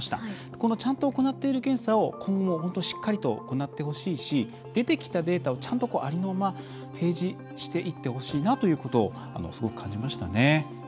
この、ちゃんと行っている検査を今後、しっかりと行ってほしいし出てきたデータをちゃんと、ありのまま提示していってほしいなということをすごく感じましたね。